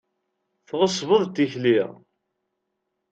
Tɣeṣbeḍ tikli.